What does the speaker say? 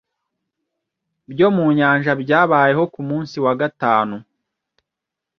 byo mu nyanja byabayeho ku munsi wa gatanu